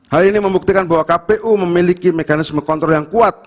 hal ini membuktikan bahwa kpu memiliki mekanisme kontrol yang kuat